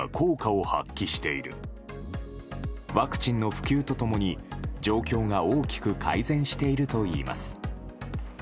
ワクチンの普及と共に状況が大きく改善しているといいます。